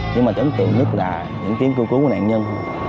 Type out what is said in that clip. nhưng mà tưởng tượng nhất là những tiếng kêu cứu của nạn nhân